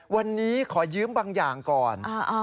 วันนี้ขอยืมบางอย่างก่อน